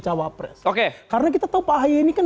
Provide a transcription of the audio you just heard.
cawapres oke karena kita tahu pak ahy ini kan